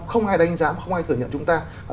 không ai đánh giá mà không ai thừa nhận chúng ta